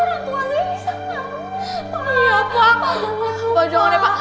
pak jangan ya pak